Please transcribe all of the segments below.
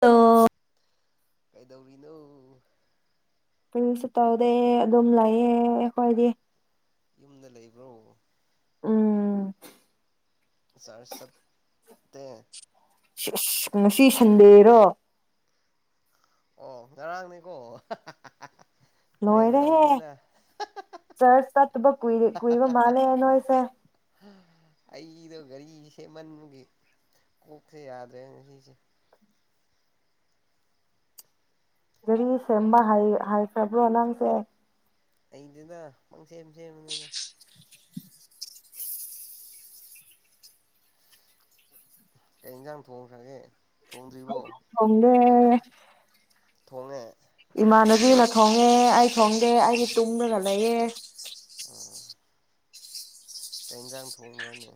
ꯍꯧ ꯇꯣ ꯀꯩꯗꯧꯔꯤꯅꯣ ꯁꯨ ꯇꯧꯗꯩꯦ ꯑꯗꯨꯝ ꯂꯩꯌꯦ ꯑꯩꯈꯣꯏꯗꯤ ꯌꯨꯝꯗ ꯂꯩꯕ꯭ꯔꯣ ꯑꯝ ꯇ ꯉꯁꯤ ꯁꯟꯗꯦꯔꯣ ꯑꯣ ꯉꯔꯥꯡꯒꯅꯤꯀꯣ ꯂꯣꯏꯔꯦꯍꯦ ꯆꯔꯆ ꯇꯠꯇꯕ ꯀꯨꯏꯔ ꯀꯨꯏꯕ ꯃꯥꯜꯂꯦꯦ ꯅꯣꯏꯁꯦ ꯑꯩꯗꯣ ꯒꯥꯔꯤꯁꯦ ꯃꯟꯒꯤ ꯀꯣꯛꯁꯦ ꯌꯥꯗ꯭ꯔꯦ ꯉꯁꯤꯁꯦ ꯒꯥꯔꯤ ꯁꯦꯝꯕ ꯍꯥꯏꯈ꯭ꯔꯕ꯭ꯔꯣ ꯅꯪꯁꯦ ꯑꯩꯗꯤꯗ ꯁꯦꯝ ꯁꯦꯝ ꯑꯗꯨꯅ ꯀꯩ ꯏꯟꯖꯥꯡ ꯊꯣꯡꯈ꯭ꯔꯒꯦ ꯊꯣꯡꯗ꯭ꯔꯤꯕꯣ ꯗ ꯍ ꯊꯣꯡꯉꯦ ꯏꯃꯥꯟꯅꯕꯤꯅ ꯊꯣꯡꯉꯦ ꯑꯩ ꯊꯣꯡꯗꯦ ꯑꯩꯒꯤ ꯇꯨꯡꯗꯅ ꯂꯩꯌꯦꯦ ꯀꯩꯟꯖꯥꯡ ꯊꯣꯡꯕ꯭ꯔꯅꯦ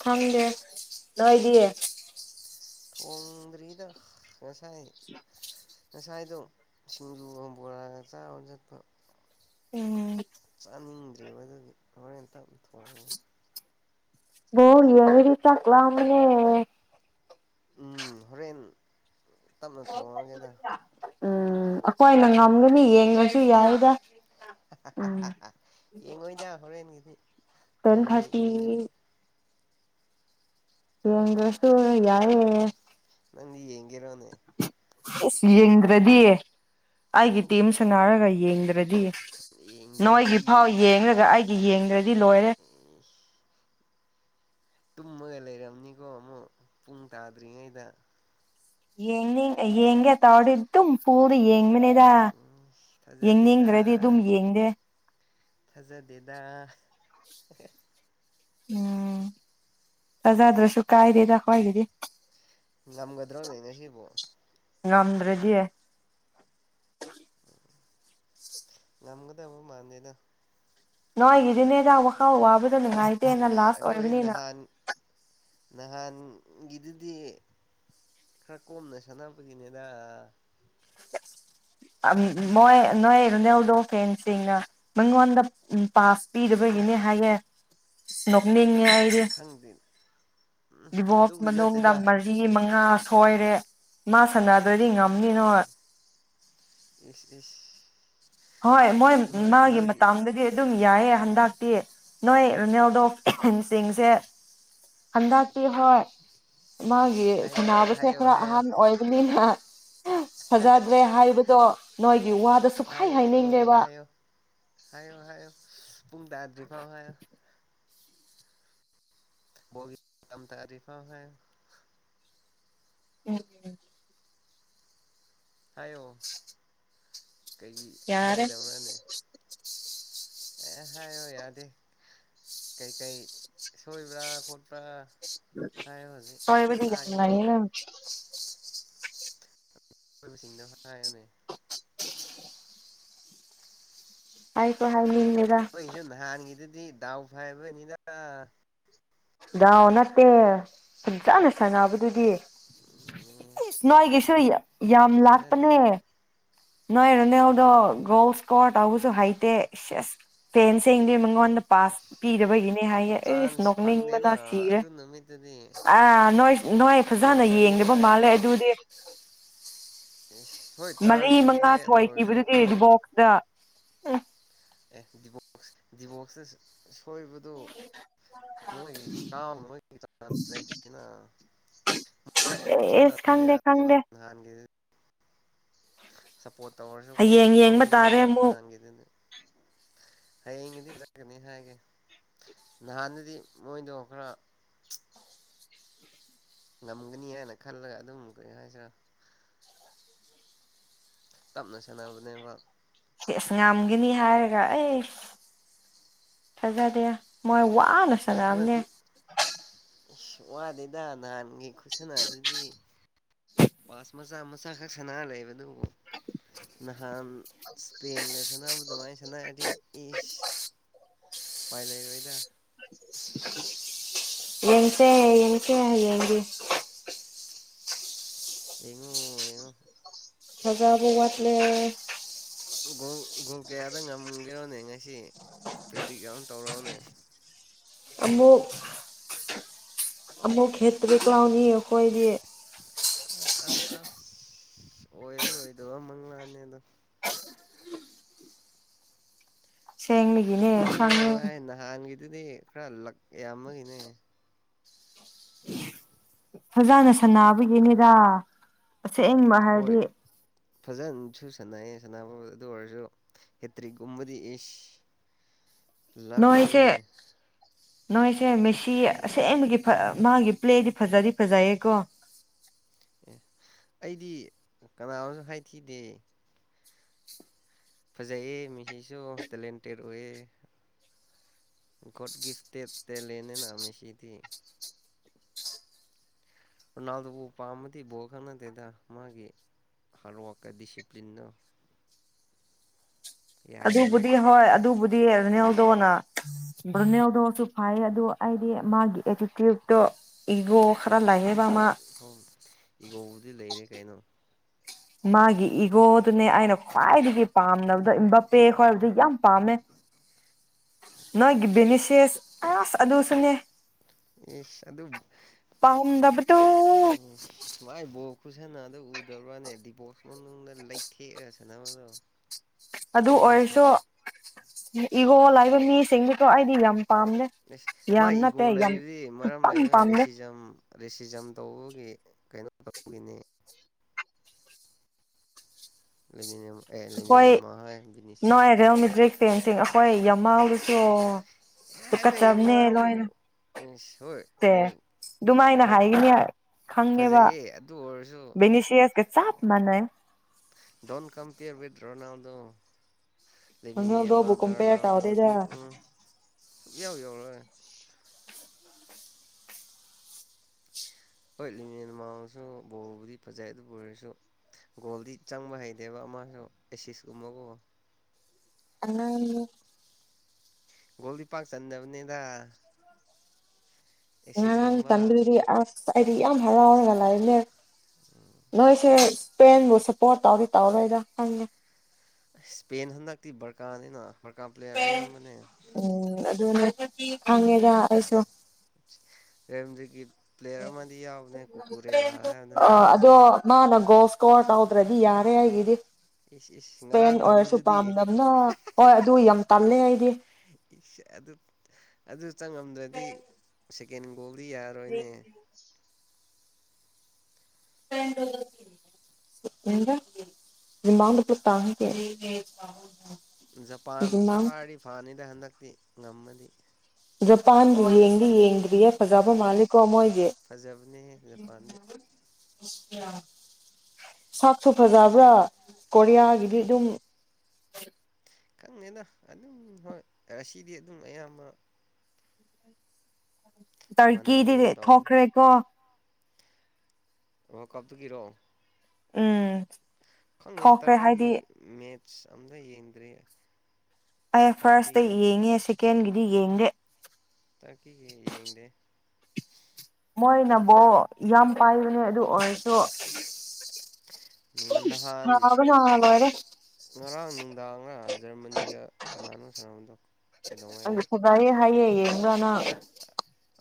ꯊꯪꯗꯦ ꯂꯣꯏꯗꯤꯌꯦ ꯊꯣꯡꯗꯔꯤꯗ ꯉꯁꯥꯏ ꯉꯁꯥꯏꯗꯣ ꯁꯤꯡꯖꯨꯒ ꯕꯣꯔꯥꯒ ꯆꯥꯔ ꯆꯠꯄ ꯎꯝ ꯆꯥꯅꯤꯡꯗ꯭ꯔꯤꯕ ꯑꯗꯨꯒꯤ ꯍꯣꯔꯦꯟꯦꯟꯇ ꯊꯣꯛ ꯣ ꯌꯥꯔꯤꯔꯤ ꯆ ꯋꯥ ꯃꯅꯦ ꯎꯝ ꯍꯣꯔꯦꯟ ꯇꯞꯅ ꯊꯣꯡꯉꯒꯦꯗ ꯎꯝ ꯑꯩꯈꯣꯏꯅ ꯉꯝꯒꯅꯤ ꯌꯦꯡꯉꯁꯨ ꯌꯥꯔꯗ ꯌꯦꯡꯉ ꯑꯣꯏꯣꯏꯗ ꯍꯣꯔꯦꯟꯦꯟ ꯇꯦꯟ ꯍꯌꯦ ꯊꯥꯔꯇꯤ ꯌꯦꯉꯅꯦ ꯁꯨꯁꯨ ꯌꯥꯔꯦ ꯅꯪ ꯌꯦꯡꯦꯔꯣꯅꯦꯦ ꯌꯦꯡ꯭ꯔꯗꯤ ꯑꯩꯒꯤ ꯑꯧꯕ ꯇꯤꯝ ꯁꯅꯥꯔꯒ ꯎꯝ ꯌꯦꯡꯗ꯭ꯔꯗꯤ ꯅꯣꯏꯒꯤ ꯐꯥꯎ ꯌꯦꯡꯗ꯭ꯔꯗꯤ ꯌꯦꯡꯂꯡꯒ ꯑꯩꯒꯤ ꯌꯦꯡ ꯗꯤ ꯂꯣꯏꯔꯦ ꯇꯨꯝꯃꯒ ꯂꯩꯔꯝꯅꯤꯀꯣ ꯑꯃꯨꯛ ꯄꯨꯡ ꯇꯥꯗ꯭ꯔꯤꯉꯩꯗ ꯌꯦꯉ ꯌꯦꯒꯦ ꯇꯧꯗꯨꯣ ꯄ ꯑꯗꯨ ꯌꯦꯡꯕꯅꯦꯗ ꯊꯥꯖꯗꯦꯗ ꯌꯦꯡꯅꯤꯡꯗ꯭ꯔꯗꯤ ꯑꯗꯨꯝ ꯌꯦꯡꯗꯦ ꯑꯣꯦ ꯎꯝ ꯔꯖꯗ꯭ꯔꯣꯁꯨ ꯀꯥꯏꯗꯦ ꯆꯈꯋꯥ ꯍꯥꯏꯒꯤꯗꯤ ꯉꯝꯒꯗ꯭ꯔꯣꯅꯦꯅꯦ ꯁꯤꯕꯣ ꯉꯝꯗ꯭ꯔꯦꯗꯤꯌꯦ ꯉꯒꯗ ꯃꯥꯗꯦꯗ ꯅꯣꯏ ꯏꯗꯤꯅꯦ ꯌꯥꯕ ꯈꯥꯎ ꯋꯥꯕ ꯑꯗꯨ ꯅꯨꯡꯉꯥꯏꯇꯦꯅ ꯏꯁ ꯂꯥꯁ ꯑꯣꯏꯕꯅꯤꯅ ꯅꯍꯥꯟꯒꯤ ꯃꯣꯏ ꯅꯣꯏ ꯔꯣꯅꯦꯜꯗꯣ ꯐꯦꯟꯁꯤꯡꯅ ꯃꯉꯣꯟꯗ ꯄꯥꯁ ꯄꯤꯗꯕꯒꯤꯅꯤ ꯍꯥꯏꯒꯦ ꯅꯣꯛꯅꯤꯡ ꯈꯪꯗꯦ ꯎꯝ ꯚꯣꯁ ꯑꯗꯨꯒꯤ ꯃꯅꯨꯡꯗ ꯅꯠꯇꯦꯗ ꯃꯔꯤ ꯃꯉꯥ ꯉ ꯁꯣꯏꯔꯦ ꯃꯥ ꯁꯥꯟꯅꯗꯣꯏꯗꯤ ꯉ ꯅꯪꯅꯣ [unintelligible] ꯏꯁ ꯏꯁ ꯍꯣꯏ ꯃꯣꯏ ꯅꯣꯏ ꯃꯥꯒꯤ ꯅꯣꯏꯒꯤ ꯃꯇꯥꯡꯗꯗꯤ ꯑꯗꯨꯝ ꯌꯥꯏ ꯍꯟꯗꯛꯇꯤ ꯅꯣꯏ ꯔꯣꯅꯦꯜꯗꯣꯁꯤꯡꯁꯦ ꯍꯟꯗꯇꯤ ꯍꯣꯏ ꯃꯥꯒꯤ ꯍꯥꯏꯌꯣ ꯁꯅꯕꯁꯦ ꯍꯥꯏꯌꯣ ꯈꯔ ꯍꯥꯏꯌꯣ ꯑꯍꯥꯟꯕ ꯑꯣꯏꯕꯅꯤꯅ ꯐꯖꯗ꯭ꯔꯦ ꯍꯥꯏꯕꯗꯣ ꯅꯣꯏꯒꯤ ꯋꯥꯗꯁꯨ ꯍꯥꯏꯌꯣ ꯕꯤꯐꯥꯎ ꯍꯥꯏ ꯒꯤꯝ ꯇꯔꯤꯐ ꯍꯥꯏꯌꯣ ꯎꯝ ꯎꯝ [unintelligible] ꯍꯥꯏꯌꯣ ꯀꯩꯒꯤ ꯌꯥꯔꯦ ꯍꯥꯏꯗꯕ꯭ꯔꯅꯦ ꯑꯦ ꯍꯥꯏꯌꯣ ꯌꯥꯗꯦ ꯀꯩꯀꯩ ꯁꯣꯏꯕ꯭ꯔꯥ ꯈꯣꯠꯄ꯭ꯔꯥ ꯍꯥꯏꯌꯣ ꯍꯧꯖꯤꯛ ꯍꯏꯕꯗꯤ ꯇꯥꯒꯦ ꯑꯩ ꯂꯏꯌꯦꯅ [unintelligible] ꯕꯨꯁꯤꯡꯗ ꯍꯥꯏꯅꯦ [unintelligible] ꯑꯩ ꯄ ꯅꯣꯏꯁꯨ ꯅꯍꯥꯟꯒꯤꯗꯨꯗꯤ ꯗꯎꯐꯥꯏꯕ ꯏꯅꯤꯗ ꯗꯥꯎ ꯅꯠꯇꯦ ꯁ ꯆꯥꯅ ꯁꯥꯟꯅꯕꯗꯨꯗꯤ ꯏꯁ ꯅꯣꯏꯒꯤꯁꯨ ꯌꯥꯝ ꯆꯠꯅꯗꯦ ꯂꯥꯛꯄꯅꯦ ꯅꯣꯏ ꯔꯅꯦꯜꯗꫭ ꯒꫭꯜ ꯏꯁꯀꯣꫪ ꯇꯥꯎꯕꯁꯨ ꯍꯩꯇꯦ ꯐꯦꯟꯁꯤꯡꯗꯤ ꯃꯣꯉꫭꯟ ꯇ ꯄꯥꯁ ꯏꯁ ꯄꯤꯗꯕꯒꯤꯅꯦ ꯍꯥꯏꯌꯦ ꯑꯦꯁ ꯆꯥꯟꯁ ꯐꯪꯗꯦꯅ ꯅꯤꯡꯕꯅ ꯁꯤꯔꯦ ꯑꯗꯨ ꯅꯨꯃꯤꯠꯇꯨꯗꯤ ꯑꯥ ꯅꫭꯏ ꯅꫭꯏ ꯒꯣꯜ ꯐꯖꯅ ꯌꯦꯡꯗꯕ ꯆꯟꯅꯤꯡꯉꯥꯏ ꯃꯥꯜꯂꯦ ꯑꯗꯨ [unintelligible] ꯏꯁ ꯍꯣꯏ ꯃꯔꯤ ꯆꯥꯟꯁꯕꯨꯗꯤ ꯃꯉꯥ ꯂꯩ ꯑꯗꯨ ꯑꯣꯏꯔꯁꯨ ꯁꯣꯏꯈꯤꯕꯗꯨꯗꯤ ꯑꯗꯨꯕꯣꯛꯁꯇ ꯎꯪ [unintelligible] ꯊꯣꯏꯕꯗꯨ ꯃꯣꯏꯒꯤ [unintelligible] ꯑꯦꯁ ꯈꯪꯗꯦ ꯈꯪꯗꯦ [unintelligible] ꯁꯄꯣꯠ ꯍꯌꯦꯡ ꯌꯦꯡꯕ ꯇꯥꯔꯦ ꯑꯃꯨꯛ ꯍꯌꯦꯡꯒꯤꯗꯤ ꯐꯖꯒꯅꯤ ꯍꯥꯏꯒꯦ ꯅꯍꯥꯟꯗꯨꯗꯤ ꯃꯣꯏꯗꯣ ꯈꯔ ꯉꯝꯒꯅꯤ ꯍꯥꯏꯅ ꯈꯜꯂꯒ ꯑꯗꯨꯝ ꯀꯩ ꯍꯥꯏꯁꯤꯔꯥ ꯇꯞꯅ ꯁꯟꯅꯕꯅꯦꯕ ꯁꯦꯁ ꯉꯝꯒꯤꯅꯤ ꯍꯥꯏꯔꯒ ꯑꯦꯁ ꯐꯖꯗꯦ ꯃꯣꯏ ꯋꯥꯅ ꯃꯣꯏ ꯁꯅꯥꯕꯅꯦ ꯈꯨ ꯑꯁ ꯋꯥꯗꯦꯗ ꯅꯍꯥꯟꯒꯤ ꯈꯨꯠꯁꯥꯟꯅ ꯑꯗꯨꯗꯤ ꯄꯥꯁ ꯃꯆꯥ ꯃꯆꯥ ꯈꯛ ꯁꯥꯟꯅꯔ ꯂꯩꯕꯗꯨꯕꯨ ꯅꯍꯥꯟ ꯏꯁꯄꯦꯟꯒ ꯁꯥꯟꯅꯕ ꯑꯗꯨꯃꯥꯏꯅ ꯁꯥꯟꯅꯔꯗꯤ ꯏꯁ ꯎꯄꯥꯏ ꯂꯩꯔꯣꯏꯗ ꯌꯦꯟꯁꯦ ꯌꯦꯡꯁꯦ ꯍꯌꯦꯡꯗꯤ ꯌꯦꯉꯣ ꯌꯦꯉꯣ ꯊꯖꯕ ꯋꯥꯠꯂꯦ ꯒꯣꯜ ꯒꯣꯜ ꯀꯌꯥꯗ ꯉꯝꯒꯦꯔꯣꯅꯦ ꯉꯁꯤ ꯄ꯭ꯔꯤꯗꯤꯛ ꯌꯥꯝ ꯇꯧꯔꯣꯅꯦ ꯑꯃꯨꯛ ꯑꯃꯨꯛ ꯍꯦꯇꯔꯤꯛ ꯂꯥꯎꯅꯤ ꯑꯈꯣꯏꯗꯤ ꯑꯁ ꯑꯁ ꯑꯁ ꯑꯣꯏꯔꯥꯔꫭꯏꯗꯕ ꯃꯪꯂꯥꯟꯅꯤꯗꯨ ꯁꯦꯡꯂꯤꯒꯤꯅꯦ [unintelligible] ꯑꯗꯨꯗꯤ ꯈꯔ ꯂ ꯌꯥꯝ ꯑꯃꯒꯤꯅꯦ ꯐꯖꯥꯅ ꯁꯅꯥꯕꯒꯤꯅꯦꯗ ꯑꯁꯦꯡꯕ ꯍꯥꯏꯔꯗꯤ ꯁꯥꯅꯩꯌꯦ ꯁꯅꯥꯅꯕꯨꯗꯤ ꯑꯗꯨ ꯑꯣꯏꯔꯁꯨ ꯍꯦꯇ꯭ꯔꯤꯛꯒꯨꯝꯕꯗꯤ ꯏꯁ ꯅꯣꯏꯁꯦ ꯂꯛꯅꯤꯅꯦ ꯅꯣꯏꯁꯦ ꯃꯦꯁꯤ ꯑꯁꯦꯡꯕꯒꯤ ꯃꯥꯒꯤ ꯄ꯭ꯂꯦꯗꯤ ꯐꯖꯗꯤ ꯐꯖꯩꯌꯦꯀꯣ ꯑꯦ ꯑꯩꯗꯤ ꯀꯅꯥ ꯑꯃꯁꯨ ꯍꯥꯏꯈꯤꯗꯦ ꯐꯖꯩꯌꯦ ꯃꯤꯁꯤꯁꯨ ꯇꯦꯂꯦꯟꯇꯦꯠ ꯑꯣꯏꯌꯦ ꯒꯣꯠ ꯒꯤꯐꯇꯦꯠ ꯇꯦꯂꯦꯟꯅꯤꯅ ꯃꯤꯁꯤꯗꯤ ꯔꯣꯅꯥꯜꯗꯨꯕꯨ ꯄꯥꯝꯃꯗꯤ ꯕꯣ ꯀꯥꯟꯅꯗꯦꯗ ꯃꯥꯒꯤ ꯍꯥꫪꯠ ꯋꯥꫪꯛꯀ ꯗꯤꯁꯤꯄ꯭ꯂꯤꯟꯒ ꯑꯗꯨꯕꯨꯗꯤ ꯍꯣꯏ ꯑꯗꯨꯕꯨꯗꯤ ꯔꯣꯅꯦꯜꯗꯣꯅ ꯔꯨꯅꯦꯜꯗꯣꯁꯨ ꯐꯥꯏꯌꯦ ꯑꯗꯨ ꯑꯩꯗꯤ ꯃꯥꯒꯤ ꯑꯦꯇꯤꯇ꯭ꯌꯨꯠꯇꯣ ꯏꯒꯣ ꯈꯔ ꯂꯩꯌꯦ [unintelligible] ꯑꯗꯨꯗꯤ ꯂꯩꯔꯦ ꯀꯩꯅꯣ ꯃꯥꯒꯤ ꯏꯒꯣꯗꯨꯅꯦ ꯑꯩꯅ ꯈ꯭ꯋꯥꯏꯗꯒꯤ ꯄꯥꯝꯅꯕꯗ ꯏꯕꯄꯦꯛ ꯈꯣꯏꯕꯗ ꯌꯥꯝ ꯄꯥꯝꯃꯦ ꯅꯣꯏꯒꯤ ꯕꯦꯅꯤꯁꯤꯁ ꯑꯁ ꯑꯗꯨꯁꯨꯅꯦ ꯏ ꯁꯥ ꯑꯗꯨꯨ ꯄꯥꯝꯗꯕꯗꯨ ꯎꯝ ꯃꯥꯏꯕꯣꯛ ꯈꯨꯁꯟꯅꯗꯨ ꯎꯗꯕ꯭ꯔꯥꯅꯦ ꯗꯤꯕꯣꯔꯁ ꯃꯅꯨꯡꯗ ꯂꯩꯊꯦꯛꯑꯔ ꯁꯅꯕꯗꯣ ꯑꯗꯨ ꯑꯣꯏꯔꯁꯨꯣ ꯏꯒꯣ ꯂꯥꯏꯕꯅꯤ ꯁꯦꯡꯗ ꯇꯣ ꯍꯥꯏꯗ ꯌꯥꯝ ꯄꯥꯝꯗꯦ ꯑꯦꯁ ꯃꯥ ꯌꯥꯝ ꯏꯒꯣ ꯅꯠꯇꯦ ꯌꯥꯝ ꯂꯩꯕꯗꯤ ꯃꯔꯝ ꯁꯨꯛꯄꯥꯝ ꯂꯩꯕꯅꯦ ꯄꯥꯝꯗꯦ ꯔꯦꯁꯤꯖꯝ ꯔꯦꯁꯤꯖꯝ ꯇꯧꯕꯒꯤ ꯀꯩꯅꯣ ꯇꯧꯕꯒꯤꯅꯦ ꯂꯦꯃꯤꯅꯤꯌꯝ ꯑꯩꯈꯣꯏ ꯥꯏꯔꯦ ꯍꯧꯃꯤꯗ꯭ꯔꯦ ꯆꯦꯡ ꯆꯦꯡ ꯍꯣꯏ ꯌꯥꯝꯃ ꯌꯥꯗꯦ ꯑꯣꯀꯆꯕꯅꯦ ꯃꯥꯕꯨ ꯂꯣꯏꯅ ꯏꯁ ꯍꯣꯏ ꯁꯦ ꯕꯣꯜ ꯑꯗꯨꯃꯥꯏꯅ ꯍꯥꯏꯈꯤꯅꯤ ꯈꯪꯉꯦꯕ ꯐꯖꯩꯌꯦ ꯑꯗꯨ ꯑꯣꯏꯔꯁꯨ ꯚꯦꯅꯤꯁꯤꯌꯁ ꯀ ꯆꯞ ꯃꯅꯦ ꯗꯣꯣꯟ ꯀꯝꯄꯦꯌꯔ ꯋꯠ ꯔꯣꯅꯥꯜꯗꯣ ꯂꯩꯃꯤꯟꯅ ꯔꯣꯅꯥꯜꯗꯣꯕꯨ ꯀꯝꯄꯦꯌꯔ ꯇꯧꯗꯦꯗ ꯑꯃꯒꯔꯅꯥꯎꯗꯗꯤ ꯎꯝ ꯁꯨꯡ ꯌꯥꯎ ꯌꯥꯎꯔꯔꯣꯏ ꯍꯣꯏ ꯂꯤꯃꯤꯦꯟ ꯃꯥꯡꯁꯨ ꯕꯣꯜꯕꯨꯗꯤ ꯐꯖꯩ ꯑꯗꯨꯕꯨ ꯑꯣꯏꯔꯁꯨ ꯒꯣꯜꯗꯤ ꯆꯪꯕ ꯍꯩꯇꯦꯕ ꯑꯃꯁꯨ ꯑꯦꯁꯤꯁꯀꯨꯝꯕꯒꯨꯝ ꯑꯣ ꯣꯂꯤ ꯄꯛ ꯆꯗꯕꯅꯤꯗ ꯅ ꯆꯟꯔꯤ ꯑꯩꯗꯤ ꯌꯥꯝ ꯍꯔꯥꯎꯔꯒ ꯂꯩꯅꯦ ꯅꯣꯏꯁꯦ ꯏꯁ꯭ꯔꯦꯟꯕꯨ ꯁꯞꯄꯣꯔꯠ ꯇꯧꯗꯤ ꯇꯧꯔꯣꯏꯗ ꯍꯪꯉꯦ ꯏꯁꯄꯦꯟ ꯍꯟꯗꯛꯇꯤ ꯕꯔꯀꯥꯅꯤꯅ ꯀꯥ ꯄ꯭ꯂꯦꯌꯥꯔ ꯑꯌꯥꯝꯕꯅꯦ ꯗ ꯍ ꯍꯉꯦꯗꯁꯨꯣ ꯒꯤ ꯄ꯭ꯂꯦꯌꯔ ꯑꯃꯗꯤ ꯌꯥꯎꯅꯦ ꯀꯨꯀꯨꯔꯦꯂꯥ ꯍꯥꯏꯕꯅꯦ ꯑꯅꯧꯕ ꯒꯁꯀꯣ ꯑꯔ ꯍꯧꯗ꯭ꯔꯦꯗꯤ ꯌꯥꯔꯦ ꯍꯥꯏꯒꯗꯤ ꯏꯁ ꯏꯁ ꯏꯁꯄꯦꯟ ꯉꯔꯥꯡ ꯑꯣꯏꯔꯁꯨ ꯇꯧꯕꯗꯨꯗꯤ ꯄꯥꯝꯗꯕꯅ ꯍꯣꯏ ꯑꯗꯨ ꯌꯥꯝ ꯇꯝꯅ ꯑꯩꯗꯤ ꯑꯗꯨ ꯆꯪꯉꯝꯗ꯭ꯔꯗꯤ ꯁꯦꯀꯦꯟ ꯣꯂꯤ ꯌꯥꯔꯣꯏꯅꯦ ꯃꯗꯄ ꯇ ꯖꯄꯥꯟ ꯀꯥꯔꯤ ꯐꯥꯅꯤꯗ ꯍꯟꯗꯛ ꯛꯇꯤ ꯉꯝꯃꯗꯤ ꯖꯄꯥꯟꯕꯨ ꯌꯦꯡꯗꯤ ꯌꯦ ꯌꯦꯡꯗꯤ ꯕꯤꯌꯦ ꯐꯖꯕ ꯃꯥꯦ ꯀꯣꯃꯣꯏꯒꯤ ꯑꯁ ꯐꯖꯕꯅꯦꯍꯦ ꯖꯄꯥꯟꯗꯤ ꯁꯥꯞꯁꯨ ꯐꯖꯕ꯭ꯔꯥ ꯀꯣꯔꯤꯌꯥꯒꯤꯗꯤ ꯑꯗꯨꯝ ꯈꯪꯉꯦꯅ ꯑꯗꯨꯝ ꯍꯣꯏ ꯉꯁꯤꯗꯤ ꯑꯗꯨꯝ ꯑꯌꯥꯝꯕ ꯃꯥꯟꯅꯕꯒꯨꯝ ꯇꯔꯀꯤꯗꯤ ꯇꯧꯅꯤ ꯊꯣꯛꯈ꯭ꯔꯦꯀꯣ ꯑꯣ ꯀꯞꯗꯨ ꯀꯔꯣ ꯎꯝ ꯈꯪꯗꯦꯅ ꯊꯣꯛꯈ꯭ꯔꯦ ꯍꯥꯏꯗꯤ ꯇꯔꯀꯤꯒꯤ ꯃ ꯑꯝꯇ ꯌꯦꯡꯗ꯭ꯔꯦ ꯑ ꯐꯥꯔꯁ ꯌꯦꯡꯉ ꯁꯤ ꯀꯦꯦꯟꯒꯗꯤ ꯌꯦꯡꯦ ꯇꯥꯛꯀꯤ ꯀꯦ ꯌꯦꯡꯗꯦ ꯃꯣꯏꯅꯕꯣ ꯌꯥꯝ ꯄꯥꯏꯕꯅꯦ ꯑꯗꯨ ꯑꯣꯏꯔꯁꯨ ꯅꯍꯥꯟ ꯁꯥꯕꯅ ꯂꯣꯏꯔꯦ ꯉꯔꯥꯡ ꯅꯨꯡꯗꯥꯡꯒꯔ ꯖꯔꯃꯅꯤꯒ ꯀꯅꯥꯅꯣ ꯁꯥꯟꯅꯕꯗꯣ ꯀꯩꯗꯧꯉꯩꯔꯣ ꯍꯌꯦꯌꯦ ꯌꯦꯡꯒꯅ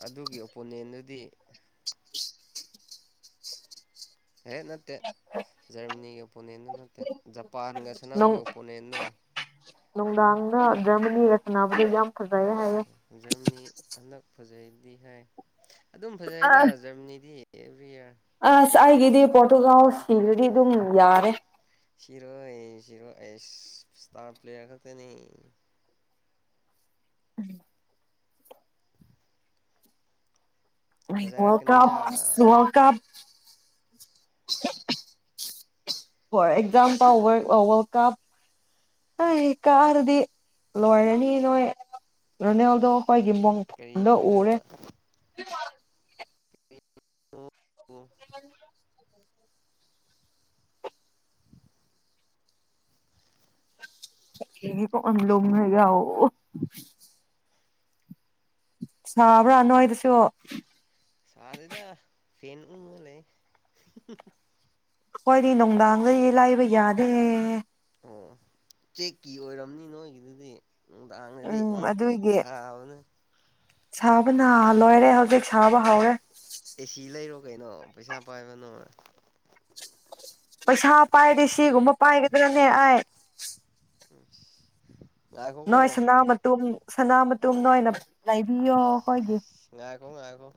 ꯑꯗꯨꯒꯤ ꯑꯣꯄꯣꯅꯦꯟꯗꯨꯗꯤ ꯍꯦꯛ ꯅꯠꯇꯦ ꯖꯔꯃꯅꯤꯒꯤ ꯑꯣꯄꯣꯅꯦꯟꯗꯨ ꯅꯠꯇꯦ ꯖꯄꯥꯟꯒ ꯁꯅꯥꯎꯒꯤ ꯅꯨꯡ ꯑꯣꯄꯣꯅꯦꯟꯗꯣ ꯅꯨꯡꯗꯥꯡꯗ ꯖꯔꯃꯅꯤ ꯔꯆꯅꯥꯅꯕꯒꯤ ꯌꯥꯝ ꯐꯖꯩꯌꯦ ꯍꯥꯏꯌꯦ ꯖꯔꯅꯤ ꯍꯟꯗꯛ ꯐꯖꯩꯗꯤ ꯍ ꯑꯗꯨꯝ ꯐꯖꯩꯗ ꯖꯔꯃꯅꯤꯗꯤ ꯑꯦꯕ꯭ꯔꯤ ꯏꯌꯥꯔ ꯑ ꯑꯁ ꯑꯩꯒꯤꯗꯤ ꯄꯣꯔꯇꯨꯒꯥꯜ ꯁꯤꯗꯨꯗꯤ ꯑꯗꯨꯝ ꯌꯥꯔꯦ ꯁꯤꯔꯣꯏꯔꯣ ꯏꯁꯇꯔ ꯄ꯭ꯂꯦꯌꯔ ꯈꯅꯤ ꯀꯞ ꯐꯖꯔꯛꯀꯅꯤꯗ ꯋꯥꯔ ꯀꯞ [unintelligible] [unintelligible] ꯑꯦꯛꯖꯥꯝꯄꯜ ꯋꯥꯔꯜ ꯀꯞ ꯑꯩ ꯀꯥꯔꯗꯤ ꯂꯣꯏꯔꯅꯤ ꯅꯣꯏ ꯔꯥꯅꯦꯜꯗꯣ ꯑꯩꯈꯣꯏꯒꯤ ꯀꯔꯤ ꯃꯣꯡꯗ ꯎꯔꯦ [unintelligible] ꯑꯗꯨꯒꯣ ꯒꯤ ꯀꯟꯂꯣ ꯍꯥꯏꯒ ꯑꯣ ꯁꯥꯕ꯭ꯔꯥ ꯅꯣꯏꯗꯁꯨ ꯁꯥꯗꯦꯗ ꯐꯦꯟ ꯎ ꯂꯩ ꯑꯩꯈꯣꯏꯗꯤ ꯅꯨꯡꯗꯥꯡꯗꯗꯤ ꯂꯥꯏꯕ ꯌꯥꯗꯦ ꯑꯣ ꯆꯦꯛꯀꯤ ꯑꯣꯏꯔꯝꯅꯤ ꯅꯣꯏꯒꯤꯗꯨꯗꯤ ꯗꯥꯉꯗꯤ ꯎꯝ ꯑꯗꯨꯒꯤ ꯁꯎꯅ ꯁꯥꯕꯅ ꯂꯣꯏꯔꯦ ꯍꯧꯖꯤꯛ ꯁꯥꯕ ꯍꯧꯔꯦ ꯑꯦꯁꯤ ꯂꯩꯔꯣ ꯀꯩꯅꯣ ꯄꯩꯁꯥ ꯄꯥꯏꯕꯅꯣ ꯄꯩꯁꯥ ꯄꯥꯏꯗꯤ ꯁꯤꯒꯨꯝꯕ ꯄꯥꯏꯒꯗ꯭ꯔꯥꯅꯦ ꯑꯩ ꯎ ꯅꯣꯏꯣꯏꯁꯅꯥ ꯃ ꯁꯅꯥ ꯃꯇꯨꯝꯅ ꯑꯣꯏꯅ ꯂꯩꯕꯤꯌꯣ ꯑꯩꯈꯣꯏꯒꯤ ꯀꯣꯡ ꯍꯥꯏꯒ